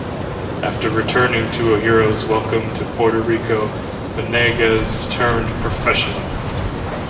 After returning to a hero's welcome to Puerto Rico, Venegas turned professional.